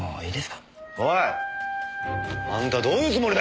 おい！あんたどういうつもりだよ！？